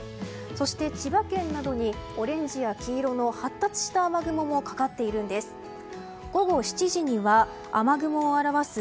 そして千葉県などにオレンジや黄色の発達した雨雲もかかっているんです。